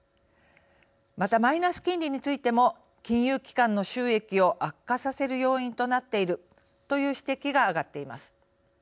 また、マイナス金利についても金融機関の収益を悪化させる要因となっているという指摘が上がっています。